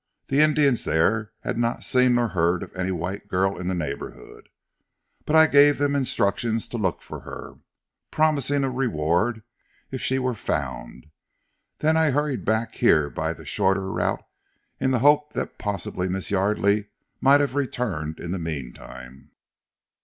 The Indians there had not seen nor heard of any white girl in the neighbourhood, but I gave them instructions to look for her, promising a reward if she were found, then I hurried back here by the shorter route in the hope that possibly Miss Yardely might have returned in the meantime."